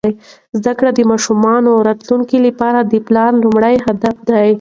زده کړه د ماشومانو راتلونکي لپاره د پلار لومړنی هدف دی.